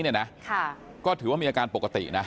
ข้าก็ถือว่ามีอาการปกตินะ